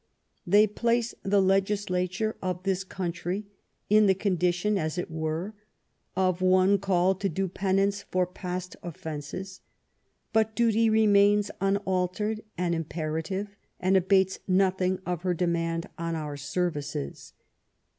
They place the legislature of this country in the condition, as it were, of one called to do penance for past offences; but duty remains unaltered and imperative, and abates nothing of her demand on our services.